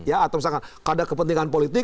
atau misalkan ada kepentingan politik